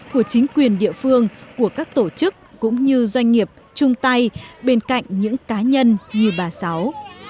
của chính quyền địa phương của các tổ chức cũng như doanh nghiệp chung tay bên cạnh những cá nhân như bà sáu